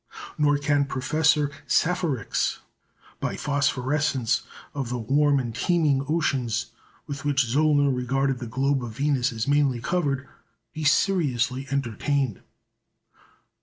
Nor can Professor Safarik's, by phosphorescence of the warm and teeming oceans with which Zöllner regarded the globe of Venus as mainly covered, be seriously entertained.